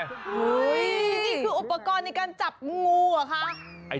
นี่คืออุปกรณ์ในการจับงูเหรอคะ